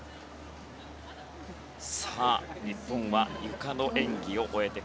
日本はゆかの演技を終えて